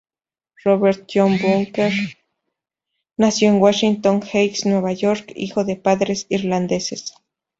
Robert John Burke nació en Washington Heights, Nueva York, hijo de padres irlandeses.